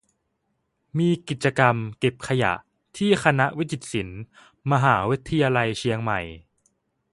"มีกิจกรรม "เก็บขยะ" ที่คณะวิจิตรศิลป์ มหาวิทยาลัยเชียงใหม่"